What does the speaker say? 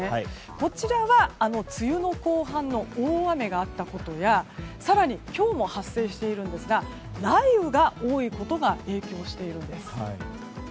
こちらは梅雨の後半の大雨があったことや更に今日も発生しているんですが雷雨が多いことが影響しているんです。